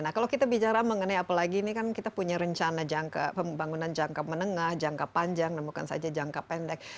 nah kalau kita bicara mengenai apalagi ini kan kita punya rencana jangka pembangunan jangka menengah jangka panjang dan bukan saja jangka pendek